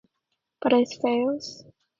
But it fails.